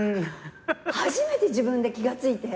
初めて自分で気が付いて。